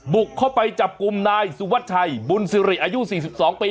บุกเข้าไปจับกลุ่มนายสุวัชชัยบุญสิริอายุ๔๒ปี